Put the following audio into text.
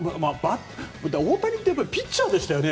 大谷ってピッチャーでしたよね。